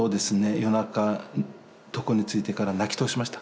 夜中床についてから泣き通しました。